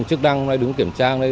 trước đang đứng kiểm tra